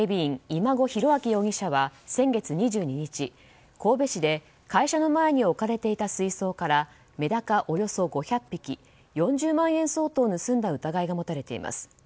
今後広章容疑者は先月２２日、神戸市で会社の前に置かれていた水槽からメダカおよそ５００匹４０万円相当を盗んだ疑いが持たれています。